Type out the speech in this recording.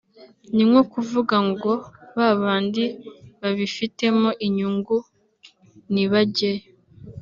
ni nko kuvuga ngo ba bandi babifitemo inyungu nibajyeyo